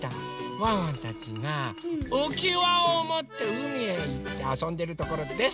ワンワンたちがうきわをもってうみへいってあそんでるところです。